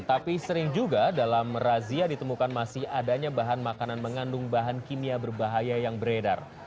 tapi sering juga dalam razia ditemukan masih adanya bahan makanan mengandung bahan kimia berbahaya yang beredar